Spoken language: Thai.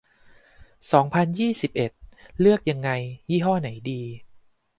สองพันยี่สิบเอ็ด เลือกยังไง ยี่ห้อไหนดี